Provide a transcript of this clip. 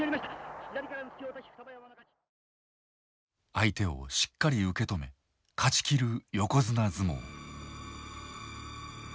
相手をしっかり受け止め勝ち切る横綱相撲。